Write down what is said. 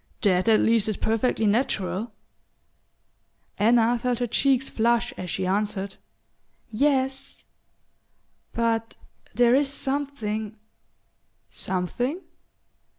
"That at least is perfectly natural!" Anna felt her cheeks flush as she answered: "Yes but there is something " "Something